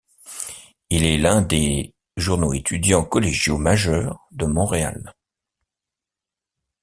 Il est l'un des journaux étudiants collégiaux majeurs de Montréal.